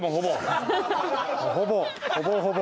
ほぼ。